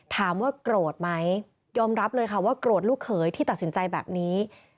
ถามว่าโกรธไหมยอมรับเลยค่ะว่าโกรธลูกเขยที่ตัดสินใจแบบนี้